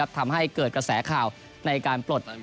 ทำให้เกิดกระแสข่าวในการปลด